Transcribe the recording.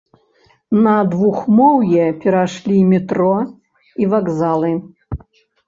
На двухмоўе перайшлі метро і вакзалы.